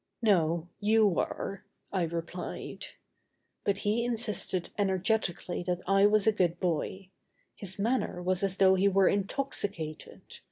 "No, you are," I replied. But he insisted energetically that I was a good boy. His manner was as though he were intoxicated.